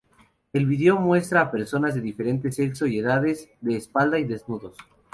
El video muestra a personas de diferentes sexo y edades, de espalda y desnudos.